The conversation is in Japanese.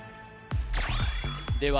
では